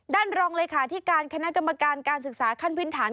ด้านรองเลยค่ะที่การคณะกรรมการการศึกษาขั้นพินฐาน